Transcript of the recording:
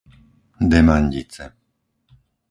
Demandice